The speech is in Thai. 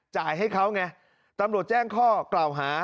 จ่ายให้เขาไงตำรวจแจ้งข้อกล่าวหา